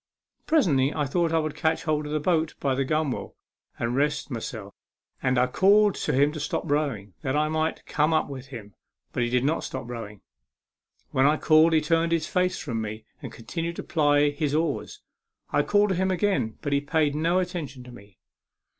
Presently, I thought I would catch hold of the boat by the gunwale to rest myself, and I called to him to stop rowing, that I might corne up with him ; but he did not stop rowing. When I called he turned his face from me, and continued to ply his oars. I called to him again, but he paid no attention to me.